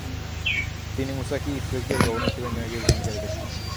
তিনি মুসাকে ইফ্রিকিয়ার গভর্নর হিসেবে নিয়োগে ভূমিকা রেখেছিলেন।